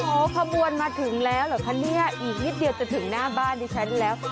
โอ้โหขบวนมาถึงแล้วเหรอคะเนี่ยอีกนิดเดียวจะถึงหน้าบ้านดิฉันแล้ว